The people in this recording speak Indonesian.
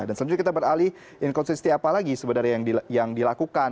dan selanjutnya kita beralih in consistency apa lagi sebenarnya yang dilakukan